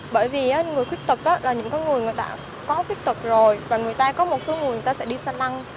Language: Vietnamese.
bởi vì người khuyết tật là những người đã có khuyết tật rồi và người ta có một số người sẽ đi xa lăng